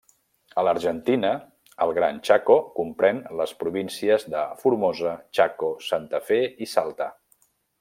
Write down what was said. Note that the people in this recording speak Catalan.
A l'Argentina, el Gran Chaco comprèn les províncies de Formosa, Chaco, Santa Fe i Salta.